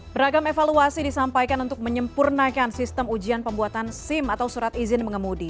bagaimana evaluasi yang disampaikan untuk menyempurnaikan sistem ujian pembuatan sim atau surat izin mengemudi